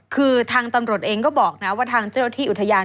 คือทางตำรวจเองก็บอกนะว่าทางเจ้าที่อุทยาน